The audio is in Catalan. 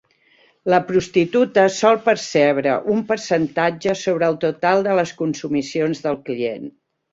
La prostituta sol percebre un percentatge sobre el total de les consumicions del client.